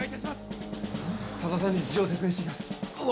佐田さんに事情説明してきます。